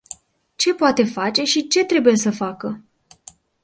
Ce poate face și ce trebuie să facă?